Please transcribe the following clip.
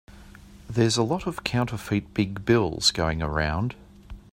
There's a lot of counterfeit big bills going around.